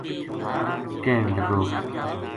کہن لگو